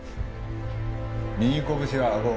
右拳はあご。